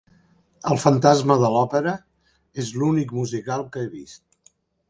El Fantasma de l'òpera és l'únic musical que he vist.